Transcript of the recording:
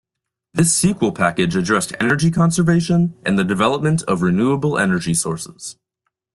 This sequel package addressed energy conservation and development of renewable energy sources.